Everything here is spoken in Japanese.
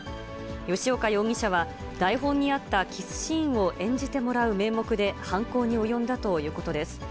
吉岡容疑者は、台本にあったキスシーンを演じてもらう名目で犯行に及んだということです。